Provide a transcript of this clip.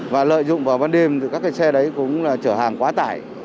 và lợi dụng vào ban đêm thì các cái xe đấy cũng là chở hàng quá tải